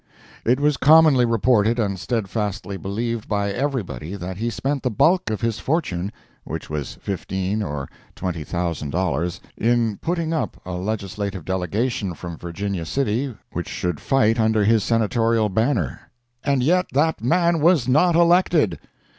It was commonly reported and steadfastly believed by everybody that he spent the bulk of his fortune, which was fifteen or twenty thousand dollars, in "putting up" a legislative delegation from Virginia City which should fight under his Senatorial banner. AND YET THAT MAN WAS NOT ELECTED.